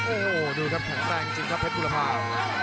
โอ้โหดูครับแข็งแรงจริงครับเพชรบุรพา